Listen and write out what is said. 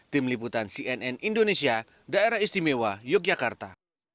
tim liputan cnn indonesia daerah istimewa yogyakarta